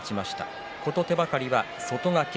琴手計が外掛け。